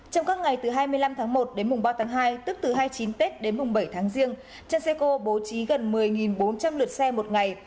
trong các ngày từ hai mươi năm tháng một đến mùng ba tháng hai tức từ hai mươi chín tết đến mùng bảy tháng riêng transéco bố trí gần một mươi bốn trăm linh lượt xe một ngày